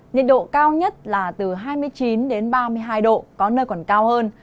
nhiệt độ cao nhất là từ hai mươi chín ba mươi hai độ có nơi còn cao hơn